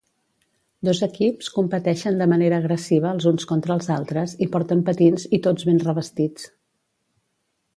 Dos equips competeixen de manera agressiva els uns contra els altres i porten patins i tots ben revestits.